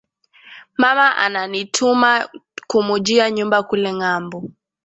Mama anani tuma kumujia nyumba kule ngambo